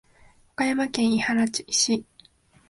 岡山県井原市